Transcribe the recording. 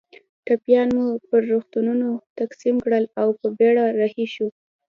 ټپیان مو پر روغتونونو تقسیم کړل او په بېړه رهي شوو.